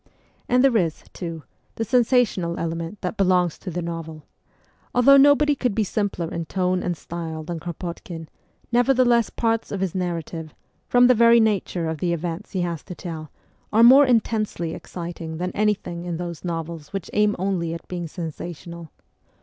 And there is, too, the sensational element that belongs to the novel. Although nobody could be simpler in tone and style than Kropotkin, nevertheless parts of his narrative, from the very nature of the events he has to tell, are more intensely exciting than anything in those novels which aim only at being sensational.